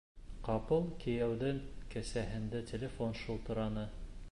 Ҡапыл кейәүҙең кеҫәһендә телефон шылтыраны.